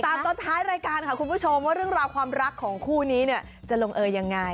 ตอนท้ายรายการค่ะคุณผู้ชมว่าเรื่องราวความรักของคู่นี้เนี่ยจะลงเออยังไง